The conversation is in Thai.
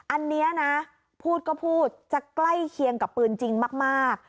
อันนี้นะพูดก็พูดจะใกล้เคียงกับปืนจริงมาก